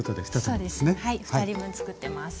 そうですはい２人分作ってます。